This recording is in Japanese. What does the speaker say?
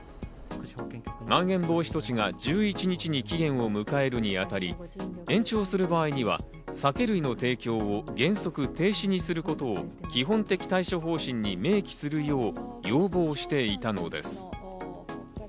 まん延防止措置が１１日に期限を迎えるにあたり、延長する場合には酒類の提供を原則停止にすることを基本的対処方針に明記するよう要望していたのです。